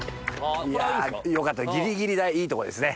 いやよかったギリギリいいとこですね。